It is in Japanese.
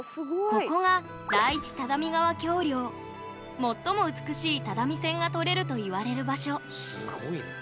ここが最も美しい只見線が撮れるといわれる場所すごいね。